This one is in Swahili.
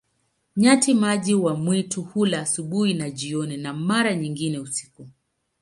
Nyati-maji wa mwitu hula asubuhi na jioni, na mara nyingine usiku.